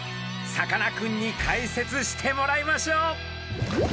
さかなクンに解説してもらいましょう。